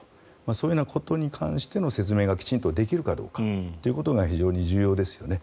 そういうことに関しての説明がきちんとできるかどうかということが非常に重要ですよね。